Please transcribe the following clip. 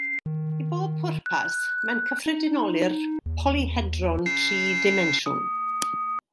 I bob pwrpas, mae'n cyffredinoli'r polyhedron tri dimensiwn.